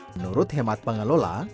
menurut hemat pengelola